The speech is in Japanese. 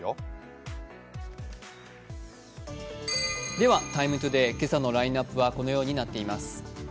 では「ＴＩＭＥ，ＴＯＤＡＹ」今朝のラインナップはこのようになっています。